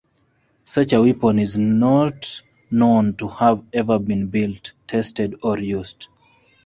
Such a weapon is not known to have ever been built, tested, or used.